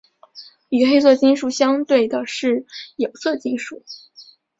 与黑色金属相对的是有色金属。